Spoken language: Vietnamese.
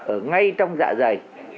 ở ngay trong dạ dày